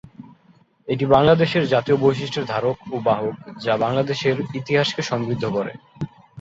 এটি বাংলাদেশের জাতীয় বৈশিষ্ট্যের ধারক ও বাহক যা বাংলাদেশের ইতিহাসকে সমৃদ্ধ করে।